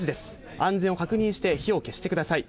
安全を確認して火を消してください。